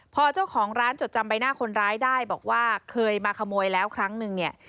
พอเจ้าของร้านจดจำใบหน้าคนร้ายได้บอกว่าเคยมาขโมยแล้วครั้งนึงเนี่ย